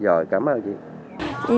rồi cảm ơn chị